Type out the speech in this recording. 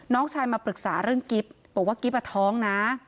น้องชายมาปรึกษาเรื่องกิ๊บบอกว่ากิ๊บอ่ะท้องนะ